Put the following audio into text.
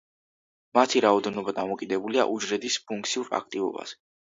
მათი რაოდენობა დამოკიდებულია უჯრედის ფუნქციურ აქტივობაზე.